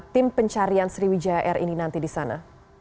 tim pencarian sriwijaya air ini nanti di sana